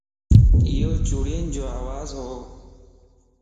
ايو چوڙين جو آواز ھو